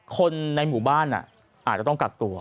คนในหมู่บ้านอาจจะต้องกักตัว